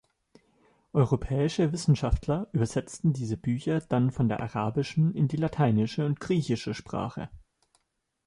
Europäische Wissenschaftler übersetzten diese Bücher dann von der arabischen in die lateinische und griechische Sprache.